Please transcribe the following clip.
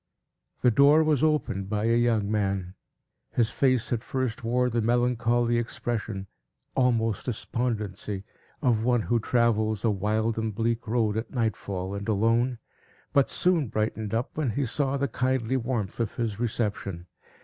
The door was opened by a young man. His face at first wore the melancholy expression, almost despondency, of one who travels a wild and bleak road, at nightfall and alone, but soon brightened up, when he saw the kindly warmth of his reception.